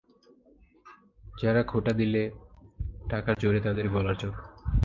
যারা খোঁটা দিলে, টাকার জোরে তাদের গলার জোর।